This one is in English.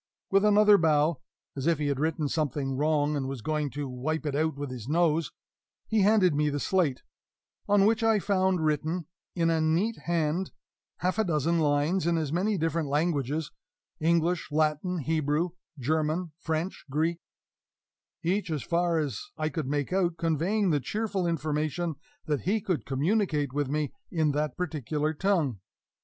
With another bow (as if he had written something wrong and was going to wipe it out with his nose), he handed me the slate, on which I found written in a neat hand half a dozen lines in as many different languages English, Latin, Hebrew, German, French, Greek each, as far as I could make out, conveying the cheerful information that he could communicate with me in that particular tongue.